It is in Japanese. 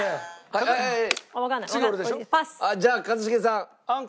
じゃあ一茂さん。